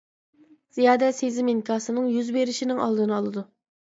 زىيادە سېزىم ئىنكاسىنىڭ يۈز بېرىشنىڭ ئالدىنى ئالىدۇ.